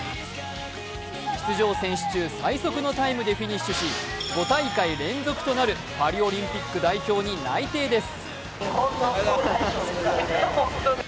出場選手中最速のタイムでフィニッシュし５大会連続となるパリオリンピック代表に内定です。